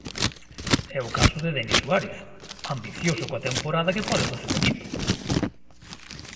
É o caso de Denis Suárez, ambicioso coa temporada que pode facer o equipo.